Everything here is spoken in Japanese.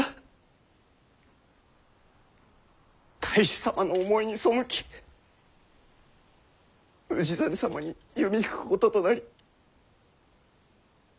太守様の思いに背き氏真様に弓引くこととなり。